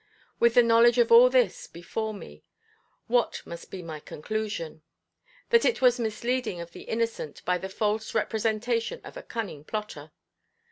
With the knowledge of all this before me, what must be my conclusion? That it was misleading of the innocent by the false representation of a cunning plotter.